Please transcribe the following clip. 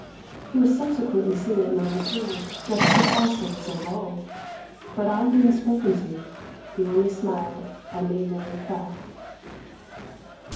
He was subsequently seen at Nanking, dressed precisely as of old; but on being spoken to, he only smiled and made no reply.